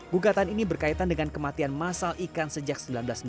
gugatan ini berkaitan dengan kematian masal ikan sejak seribu sembilan ratus sembilan puluh